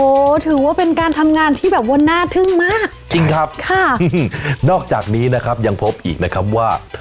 โอ้โหถือว่าเป็นการทำงานที่แบบว่าน่าทึ่งมากจริงครับค่ะนอกจากนี้นะครับยังพบอีกนะครับว่า